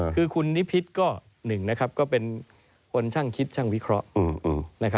คือคุณนิพิษก็๑ก็เป็นคนช่างคิดช่างวิเคราะห์